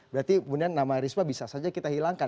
berarti kemudian nama risma bisa saja kita hilangkan